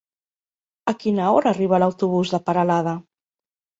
A quina hora arriba l'autobús de Peralada?